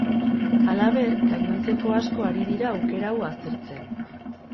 Halaber, gainontzeko asko ari dira aukera hau aztertzen.